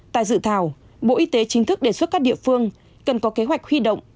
tại dự thảo bộ y tế chính thức đề xuất các địa phương cần có kế hoạch huy động